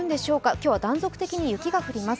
今日は断続的に雪が降ります。